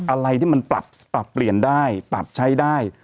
อะไรที่มันปรับเปลี่ยนได้ปรับใช้ได้